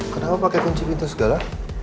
kenapa pakai kunci pintu segala